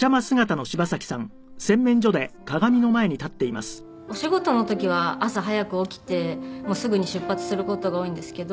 もうあのお仕事の時は朝早く起きてすぐに出発する事が多いんですけど。